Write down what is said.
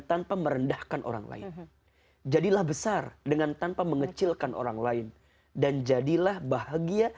tanpa merendahkan orang lain jadilah besar dengan tanpa mengecilkan orang lain dan jadilah bahagia